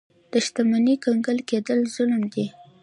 د شتمنۍ کنګل کېدل ظلم دی.